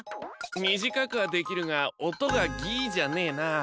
みじかくはできるがおとが「ぎい」じゃねえな。